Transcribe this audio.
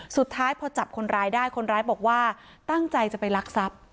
สุดท้ายพอจับคนร้ายได้คนร้ายบอกว่าตั้งใจจะไปลักทรัพย์